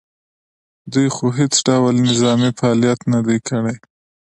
دوی خو هېڅ ډول نظامي فعالیت نه دی کړی